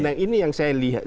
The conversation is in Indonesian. nah ini yang saya lihat